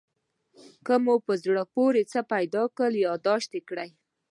که مو زړه پورې څه پیدا کړل یادداشت کړئ.